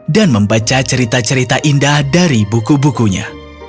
dan membaca cerita cerita indah dari buku bukunya